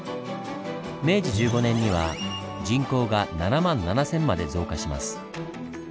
明治１５年には人口が７万７千まで増加します。